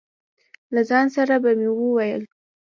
له ځان سره به مې وویل.